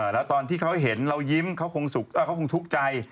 แล้วตอนที่เขาเห็นเรายิ้มเขาคงทุกข์ใจ